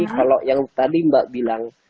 kalau yang tadi mbak bilang